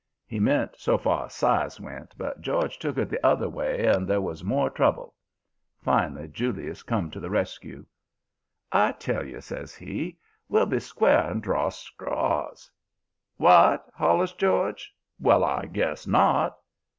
"He meant so far as size went, but George took it the other way, and there was more trouble. Finally Julius come to the rescue. "'I tell you,' says he. 'We'll be square and draw straws!' "'W'at?' hollers George. 'Well, I guess not!'